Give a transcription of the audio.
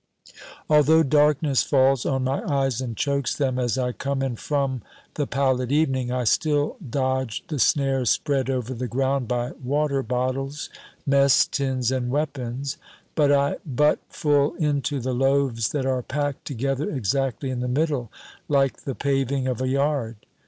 Although darkness falls on my eyes and chokes them as I come in from the pallid evening, I still dodge the snares spread over the ground by water bottles, mess tins and weapons, but I butt full into the loaves that are packed together exactly in the middle, like the paving of a yard.